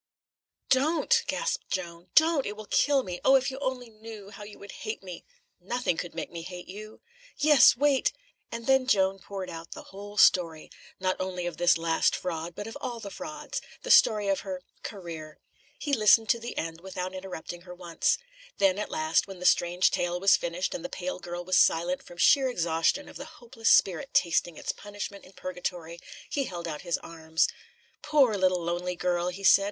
"Don't!" gasped Joan. "Don't! it will kill me. Oh, if you only knew, how you would hate me!" "Nothing could make me hate you." "Yes. Wait!" And then Joan poured out the whole story not only of this last fraud, but of all the frauds; the story of her "career." He listened to the end, without interrupting her once. Then, at last, when the strange tale was finished, and the pale girl was silent from sheer exhaustion of the hopeless spirit tasting its punishment in purgatory, he held out his arms. "Poor, little, lonely girl!" he said.